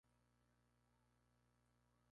El interior de la alfombra esta vacío.